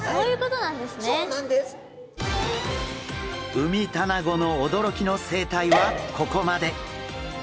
ウミタナゴの驚きの生態はここまで。